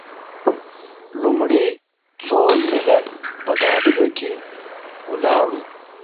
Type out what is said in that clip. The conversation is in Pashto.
لومړي څو میله په ګاډیو کې ولاړو.